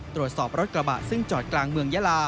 ตรวจสอบรถกระบะซึ่งจอดกลางเมืองยาลา